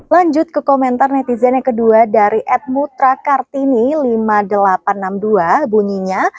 lanjut ke komentar netizen yang kedua dari ed mutra kartini lima ribu delapan ratus enam puluh dua bunyinya